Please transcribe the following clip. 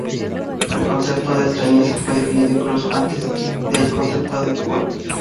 El concepto de extrañeza fue definido incluso antes que el concepto de quark.